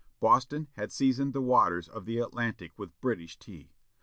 Boston had seasoned the waters of the Atlantic with British tea.